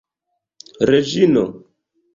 reĝino